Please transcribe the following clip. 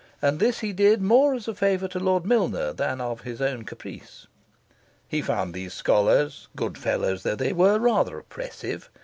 And this he did more as a favour to Lord Milner than of his own caprice. He found these Scholars, good fellows though they were, rather oppressive.